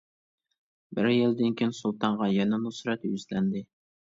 بىر يىلدىن كېيىن سۇلتانغا يەنە نۇسرەت يۈزلەندى.